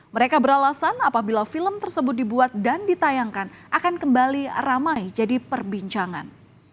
mereka beralasan apabila film tersebut dibuat dan ditayangkan akan kembali ramai jadi perbincangan